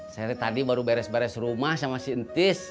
saya tadi baru beres beres rumah sama si entis